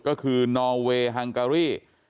ก็คือนอเวย์ฮังการี่